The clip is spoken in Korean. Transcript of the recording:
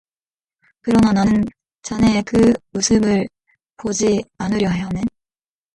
그러나 나는 자네의 그 웃음을 보지 않으려 하네.